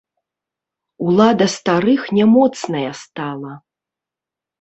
Улада старых не моцная стала.